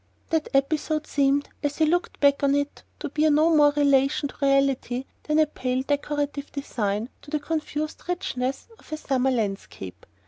That episode seemed, as he looked back on it, to bear no more relation to reality than a pale decorative design to the confused richness of a summer landscape.